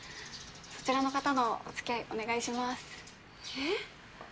そちらの方のおつきあいお願いしますえっ？